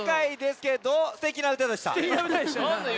すてきな歌でしたね。